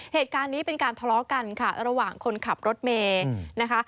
เหตุการณ์นี้เป็นการทะเลาะกันค่ะระหว่างคนขับรถเมย์นะคะ